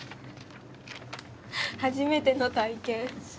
初めての体験。